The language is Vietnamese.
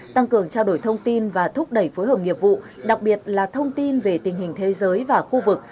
tăng cường trao đổi thông tin và thúc đẩy phối hợp nghiệp vụ đặc biệt là thông tin về tình hình thế giới và khu vực